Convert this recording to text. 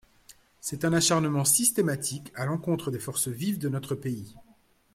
C’est un acharnement systématique à l’encontre des forces vives de notre pays.